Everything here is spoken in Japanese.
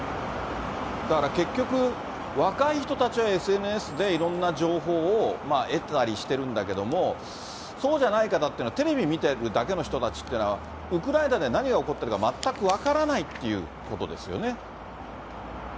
だから結局、若い人たちはＳＮＳでいろんな情報を得たりしてるんだけれども、そうじゃない方というのはテレビ見てるだけの人たちというのは、ウクライナで何が起こっているか、全く分からないということですよね。